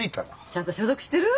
ちゃんと消毒してる？